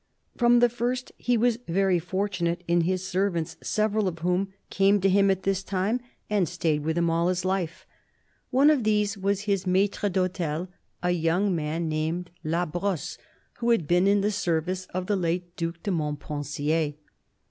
From the first he was very fortunate in his servants, several of whom came to him at this time and stayed with 42 CARDINAL DE RICHELIEU him all his life. One of these was his maitre dhoiel, a young man named La Brosse, who had been in the service of the late Due de Montpensier.